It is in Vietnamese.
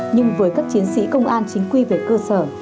nhưng với các chiến sĩ công an chính quy về cơ sở